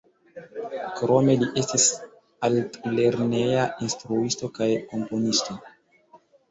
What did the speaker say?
Krome li estis altlerneja instruisto kaj komponisto.